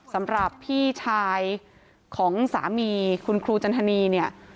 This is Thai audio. สำหรับพี่ชายของสามีคุณครูจันทนีเนี่ย